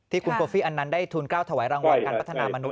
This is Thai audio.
ที่คุณโคฟฟิอันนั้นได้ทูลเก้าถวายรางวัลการพัฒนามนุษย์